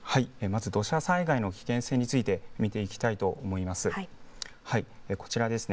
まず土砂災害の危険性について見ていきたいと思います。